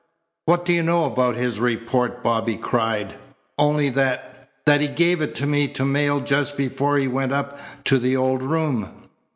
"What do you know about his report?" Bobby cried. "Only that that he gave it to me to mail just before he went up to the old room."